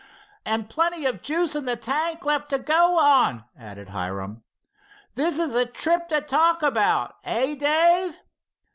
"And plenty of juice in the tank left to go on," added Hiram. "This is a trip to talk about, eh, Dave?"